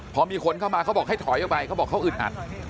พอมีคนเข้ามาเขาบอกให้ถอยออกไปเขาบอกเขาอึดอัด